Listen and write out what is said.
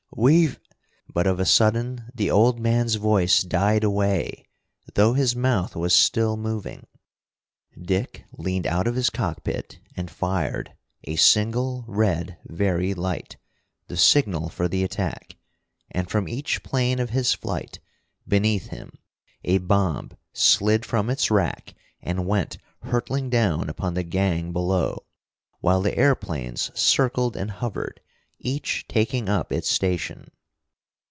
"We've " But of a sudden the old man's voice died away, though his mouth was still moving. Dick leaned out of his cockpit and fired a single red Very light, the signal for the attack. And from each plane of his flight, beneath him, a bomb slid from its rack and went hurtling down upon the gang below, while the airplanes circled and hovered, each taking up its station.